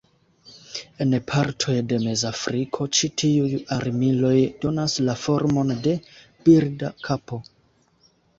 En partoj de Mezafriko ĉi tiuj armiloj donas la formon de birda kapo.